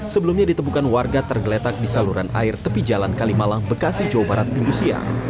sebelumnya ditemukan warga tergeletak di saluran air tepi jalan kalimalang bekasi jawa barat minggu siang